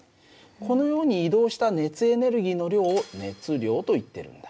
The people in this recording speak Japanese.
このように移動した熱エネルギーの量を熱量といってるんだ。